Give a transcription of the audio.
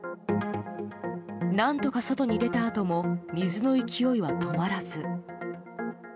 何とか外に出たあとも水の勢いは止まらず。